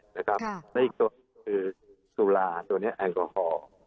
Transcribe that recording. แล้วยักษ์ตัวนี้คือสุราตัวนี้แอลกอฮอล์